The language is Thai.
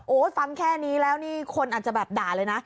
ฟังแค่นี้แล้วนี่คนอาจจะแบบด่าเลยนะ